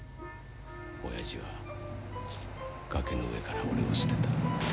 おやじは崖の上から俺を捨てた。